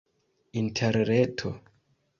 interreto